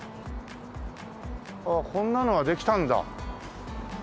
あっこんなのができたんだ。